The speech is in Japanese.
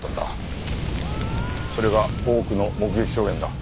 それが多くの目撃証言だ。